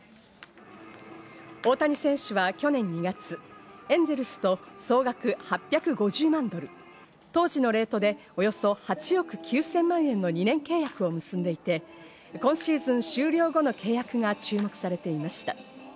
大谷選手は去年２月、エンゼルスと総額８５０万ドル、当時のレートでおよそ８億９０００万円の２年契約を結んでいて、今シーズン終了後の契約が注目されていました。